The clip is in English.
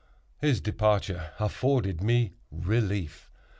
His departure afforded me relief.